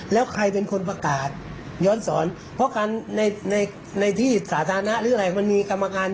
แล้วใครเป็นคนประกาศย้อนสอนเพราะการในที่สาธารณะหรืออะไรมันมีกรรมการ